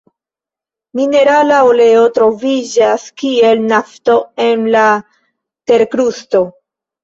Minerala oleo troviĝas kiel nafto en la terkrusto.